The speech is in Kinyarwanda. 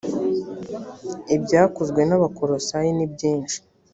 ibyakozwe n abakolosayi ni byinshi